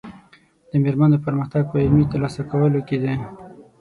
د مېرمنو پرمختګ په علمي ترلاسه کولو کې دی.